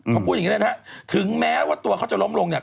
เขาพูดอย่างนี้เลยนะฮะถึงแม้ว่าตัวเขาจะล้มลงเนี่ย